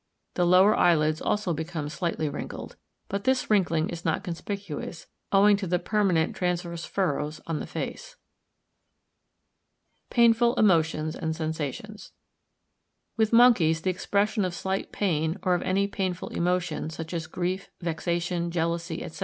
The lower eyelids also become slightly wrinkled; but this wrinkling is not conspicuous, owing to the permanent transverse furrows on the face. Painful emotions and sensations.—With monkeys the expression of slight pain, or of any painful emotion, such as grief, vexation, jealousy, &c.